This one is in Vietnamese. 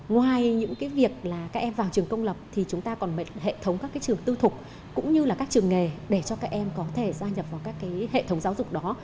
ngoài những việc là các em vào trường công lập thì chúng ta còn hệ thống các trường tư thục cũng như là các trường nghề để cho các em có thể gia nhập vào các hệ thống giáo dục đó